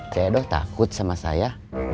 cedok takut sama saya